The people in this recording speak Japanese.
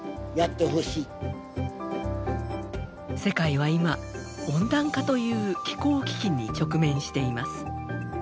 世界は今温暖化という気候危機に直面しています。